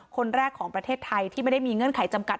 คนแรกของประเทศไทยที่ไม่ได้มีเงื่อนไขจำกัด